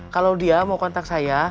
kalau dia mau kontak saya